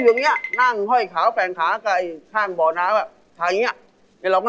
อุ๊ยเป็นกะเพราเจ็ดมากเลยหรือคะค่ะ